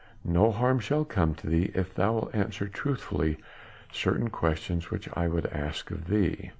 No harm shall come to thee if thou wilt answer truthfully certain questions which I would ask of thee."